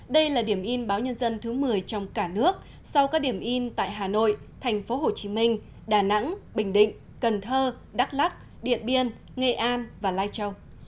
đây là điểm in báo nhân dân thứ một mươi trong cả nước sau các điểm in tại hà nội thành phố hồ chí minh đà nẵng bình định cần thơ đắk lắc điện biên nghệ an và lai châu